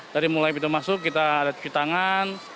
dari mulai pintu masuk kita ada cuci tangan